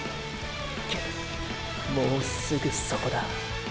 けどもうすぐそこだ。